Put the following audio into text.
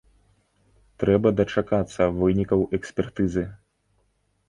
Трэба дачакацца вынікаў экспертызы.